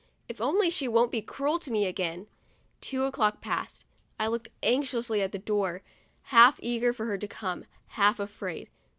" If only she won't be cruel to me again !' Two o'clock passed. I looked anxiously at the door, half eager for her to come, half afraid.